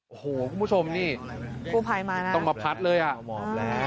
โอ้โหคุณผู้ชมนี่ต้องมาพัดเลยอะ